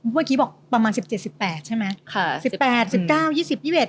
เมื่อกี้บอกประมาณ๑๗๑๘ใช่มั้ย